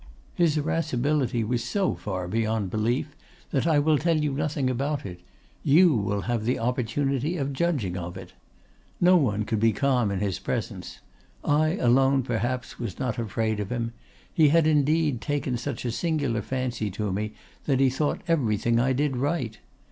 His irascibility was so far beyond belief that I will tell you nothing about it; you will have the opportunity of judging of it. No one could be calm in his presence. I alone, perhaps, was not afraid of him; he had indeed taken such a singular fancy to me that he thought everything I did right.